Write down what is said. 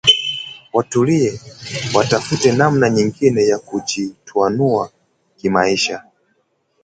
Watulie, watafute namna nyingine ya kujikwamua kimaisha